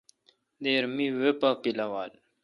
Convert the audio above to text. دیر مہ وی پا پیلو۔